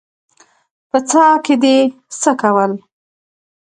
_په څاه کې دې څه کول؟